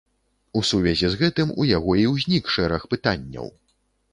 У сувязі з гэтым у яго і ўзнік шэраг пытанняў.